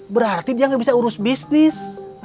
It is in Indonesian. berarti dia nggak bisa urus bisnis